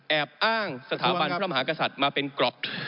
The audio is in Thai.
แอบอ้างสถาบันพระมหากษัตริย์มาเป็นกรอบ